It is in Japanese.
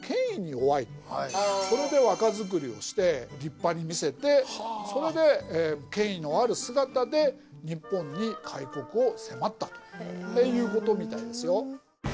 それで若作りをして立派に見せてそれで権威のある姿で日本に開国を迫ったっていうことみたいですよ。